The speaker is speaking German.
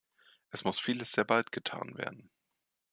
Es muss vieles sehr bald getan werden.